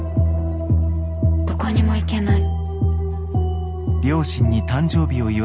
どこにも行けない。